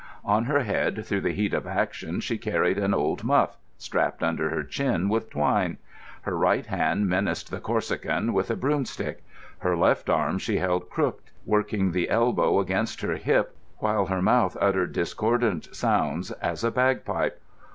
On her head through the heat of action she carried an old muff strapped under her chin with twine. Her right hand menaced the Corsican with a broomstick; her left arm she held crooked, working the elbow against her hip while her mouth uttered discordant sounds as a bagpipe.